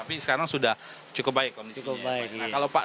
tapi sekarang sudah cukup baik kondisinya ya pak